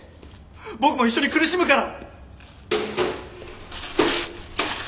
僕も一緒に苦しむから！